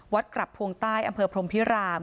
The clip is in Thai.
กลับพวงใต้อำเภอพรมพิราม